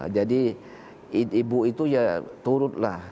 jadi ibu itu ya turutlah